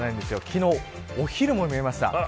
昨日、お昼も見えました。